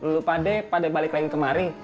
lo pada pada balik lagi kemari